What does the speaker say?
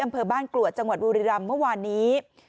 อำเภอบ้านกรวดจังหวัดบุรีรำเมื่อวานนี้